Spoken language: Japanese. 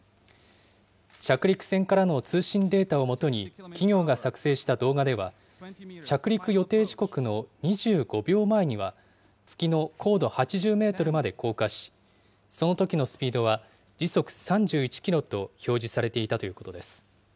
着陸船からの通信データを基に、企業が作成した動画では、着陸予定時刻の２５秒前には、月の高度８０メートルまで降下し、そのときのスピードは時速３１キロと表示されていたということです。